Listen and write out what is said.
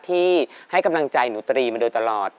ที่ให้กำลังใจหนูตรีมาโดยตลอด